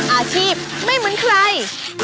อาชีพไม่เหมือนใคร